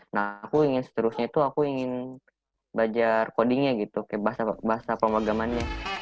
nah aku ingin seterusnya tuh aku ingin belajar coding nya gitu kayak bahasa pemrogramannya